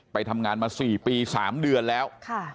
ไปทำงานมา๔ปี๓เดือนแล้ว